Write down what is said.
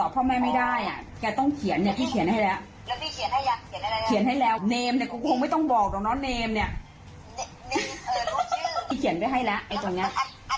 เพราะว่ากลัวไม่สามารถน่าไปต่อที่หาชีวิต